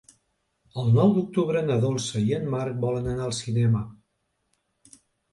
El nou d'octubre na Dolça i en Marc volen anar al cinema.